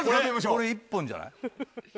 これ１本じゃない？